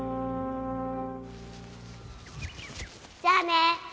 じゃあね！